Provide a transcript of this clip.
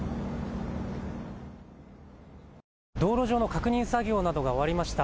道路上の確認作業などが終わりました。